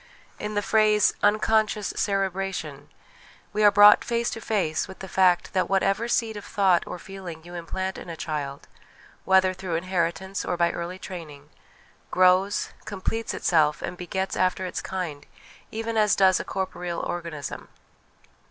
In the phrase 'unconscious 108 HOME EDUCATION cerebration ' we are brought face to face with the fact that, whatever seed of thought or feeling you implant in a child whether through inheritance or by early Draining grows, completes itself, and begets after its kind, even as does a corporeal organism.